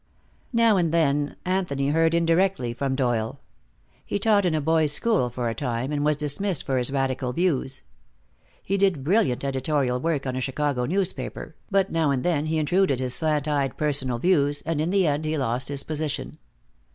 Now and then Anthony heard indirectly from Doyle. He taught in a boys' school for a time, and was dismissed for his radical views. He did brilliant editorial work on a Chicago newspaper, but now and then he intruded his slant eyed personal views, and in the end he lost his position.